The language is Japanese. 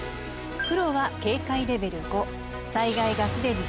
黒は警戒レベル５。